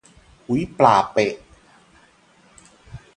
อุ๊ย ปลาเป๊ะ